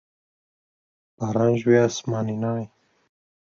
Baran ji wî esmanî nayê.